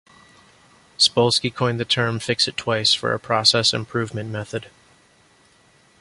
Spolsky coined the term "fix it twice" for a process improvement method.